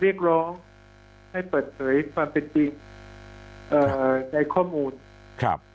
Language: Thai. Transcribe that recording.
เรียกร้องให้เปิดเผยความเป็นจริงเอ่อในข้อมูลครับ